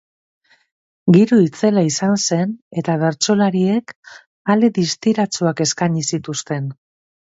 Giro itzela izan zen eta bertsolariek ale distiratsuak eskaini zituzten.